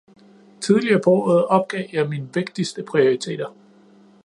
Tidligere på året opgav jeg mine vigtigste prioriteter.